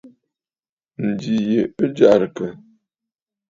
Ǹjì yì ɨ jɛrɨkə.